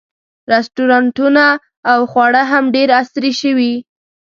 رسټورانټونه او خواړه هم ډېر عصري شوي.